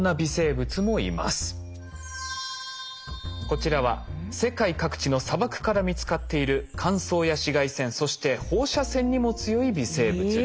こちらは世界各地の砂漠から見つかっている乾燥や紫外線そして放射線にも強い微生物です。